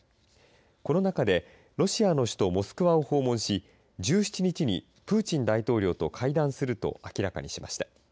この中でロシアの首都モスクワを訪問し１７日にプーチン大統領と会談すると明らかにしました。